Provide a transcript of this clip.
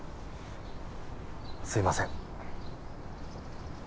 すいません。